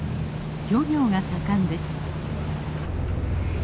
漁業が盛んです。